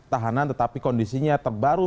tahanan tetapi kondisinya terbaru